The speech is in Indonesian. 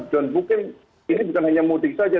dan mungkin ini bukan hanya mudik saja